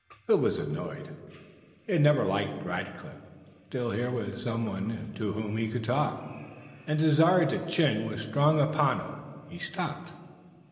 Phil was annoyed. He had never liked Rackliff. Still here was some one to whom he could talk, and desire to "chin" was strong upon him. He stopped.